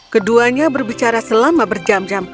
keduanya berbicara selama berjam jam